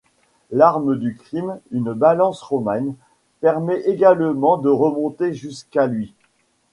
L'arme du crime, une balance romaine, permet également de remonter jusqu'à lui.